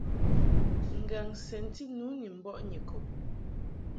Ngaŋ sɛnti nu ni mbɔʼ Nyikɔb.